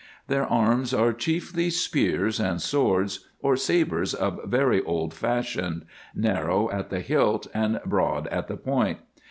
Their arms are chiefly spears, and swords or sabres of very old fashion, narrow at the hilt and broad at the point.